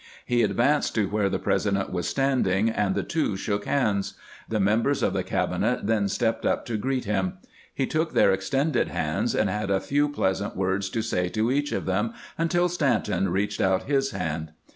He advanced to where the President was standing, and the two shook hands. The members of the cabinet then stepped up to greet him. He took their extended hands, and had a few pleasant words to say to each of them, until Stanton reached out his hand.